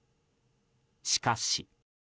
しかし。